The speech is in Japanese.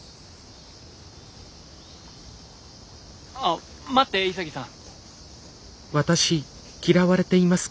あっ待って潔さん。